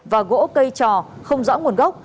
và gỗ cây trò không rõ nguồn gốc